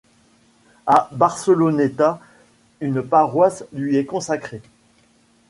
À Barceloneta, une paroisse lui est consacrée.